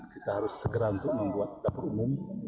kita harus segera untuk membuat dapur umum